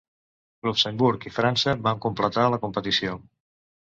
Luxemburg i França van completar la competició.